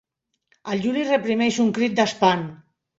El Juli reprimeix un crit d'espant.